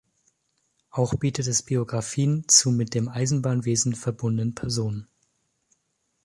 Auch bietet es Biografien zu mit dem Eisenbahnwesen verbundenen Personen.